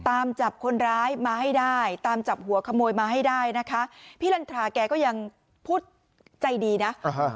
ตามจับคนร้ายมาให้ได้ตามจับหัวขโมยมาให้ได้นะคะพี่ลันทราแกก็ยังพูดใจดีนะ